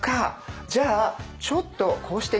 じゃあちょっとこうしてみますよ。